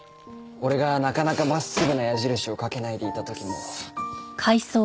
俺がなかなかまっすぐな矢印を書けないでいた時も。